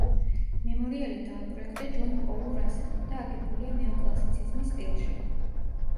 მემორიალი დააპროექტა ჯონ პოულ რასელმა და აგებულია ნეოკლასიციზმის სტილში.